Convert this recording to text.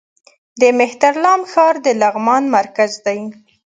د مهترلام ښار د لغمان مرکز دی